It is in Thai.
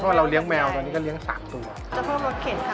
เพราะเราเลี้ยงแมวตอนนี้ก็เลี้ยงสามตัวเจ้าพ่อรถเข็นค่ะ